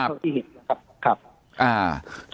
แล้วคือเท่าที่เห็นนะครับ